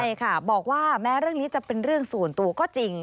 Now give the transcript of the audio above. ใช่ค่ะบอกว่าแม้เรื่องนี้จะเป็นเรื่องส่วนตัวก็จริง